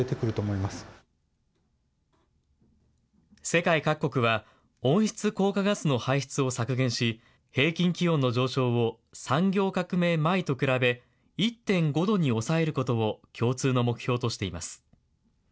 世界各国は、温室効果ガスの排出を削減し、平均気温の上昇を産業革命前と比べ、１．５度に抑えることを共通の目標としています。